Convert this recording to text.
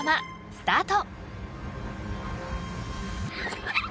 スタート］